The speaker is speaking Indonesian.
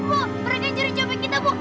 mereka nganjurin cobek kita bu